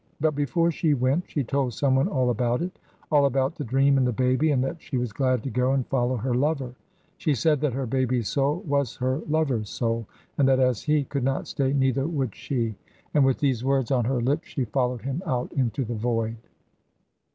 But before she went she told someone all about it, all about the dream and the baby, and that she was glad to go and follow her lover. She said that her baby's soul was her lover's soul, and that as he could not stay, neither would she; and with these words on her lips she followed him out into the void.